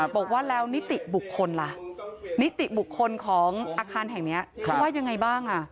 บอกว่าแล้วนิติบุคคลล่ะนิติบุคคลของอาคารแห่งนี้เขาว่ายังไงบ้าง